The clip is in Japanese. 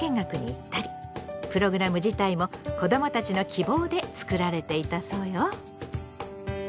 プログラム自体も子どもたちの希望でつくられていたそうよ。